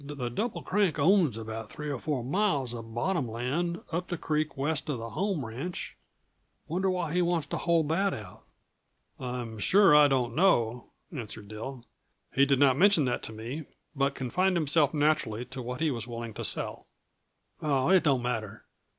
"The Double Crank owns about three or four miles uh bottom land, up the creek west uh the home ranch. Wonder why he wants to hold that out?" "I'm sure I do not know," answered Dill. "He did not mention that to me, but confined himself, naturally, to what he was willing to sell." "Oh it don't matter.